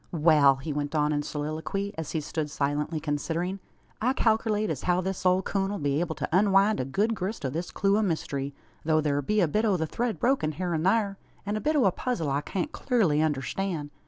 "Wal!" he went on in soliloquy, as he stood silently considering, "I kalkerlate as how this ole coon 'll be able to unwind a good grist o' this clue o' mystery, tho' thur be a bit o' the thread broken hyur an thur, an a bit o' a puzzle I can't clurly understan'.